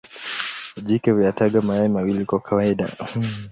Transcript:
Jike huyataga mayai mawili kwa kawaida.